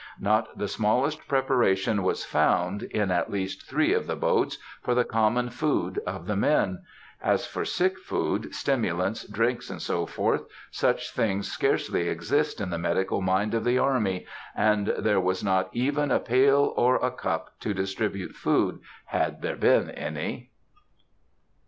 Not the smallest preparation was found, in at least three of the boats, for the common food of the men. As for sick food, stimulants, drinks, &c., such things scarcely exist in the medical mind of the army, and there was not even a pail or a cup to distribute food, had there been any.